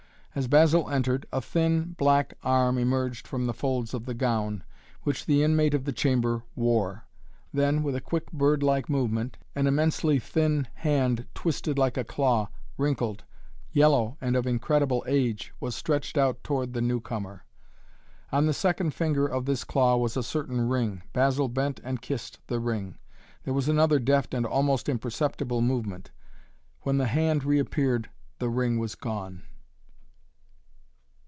As Basil entered, a thin black arm emerged from the folds of the gown, which the inmate of the chamber wore. Then, with a quick bird like movement, an immensely thin hand twisted like a claw, wrinkled, yellow and of incredible age, was stretched out toward the newcomer. On the second finger of this claw was a certain ring. Basil bent and kissed the ring. There was another deft and almost imperceptible movement. When the hand reappeared the ring was gone.